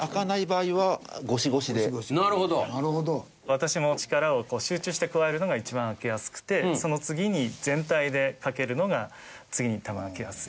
私も力を集中して加えるのが一番開けやすくてその次に全体でかけるのが次に多分開けやすい。